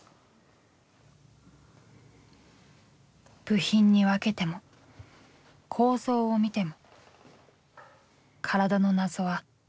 部品に分けても構造を見ても体の謎はいまだ謎のまま。